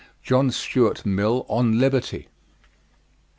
JOHN STUART MILL, On Liberty.